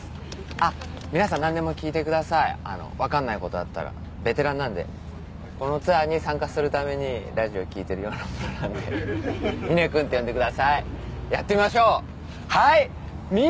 あっ皆さんなんでも聞いてくださいわかんないことあったらベテランなんでこのツアーに参加するためにラジオ聴いてるようなものなんでみね君って呼んでくださいやってみましょうはい